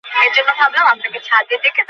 ওহ, না, তোমার কাছ থেকে নয়।